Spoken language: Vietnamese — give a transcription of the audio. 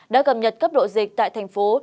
đã cập nhật cấp độ dịch tại thành phố